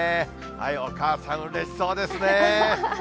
お母さん、うれしそうですね。